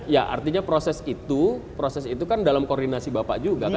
ya artinya proses itu proses itu kan dalam koordinasi bapak juga kan